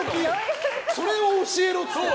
それを教えろって。